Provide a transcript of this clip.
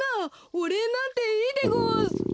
おれいなんていいでごわ。